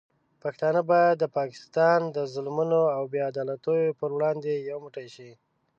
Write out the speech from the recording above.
پښتانه باید د پاکستان د ظلمونو او بې عدالتیو پر وړاندې یو موټی شي.